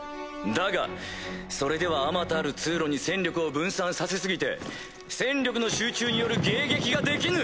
だがそれではあまたある通路に戦力を分散させ過ぎて戦力の集中による迎撃ができぬ。